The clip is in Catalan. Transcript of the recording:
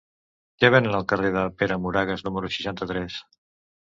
Què venen al carrer de Pere Moragues número seixanta-tres?